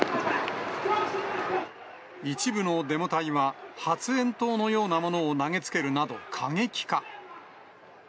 一部のデモ隊は発煙筒のようなものを投げつけるなど、過激化。